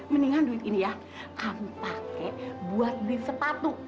mendingan duit ini ya kamu pakai buat beli sepatu